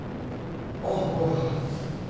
あっおう。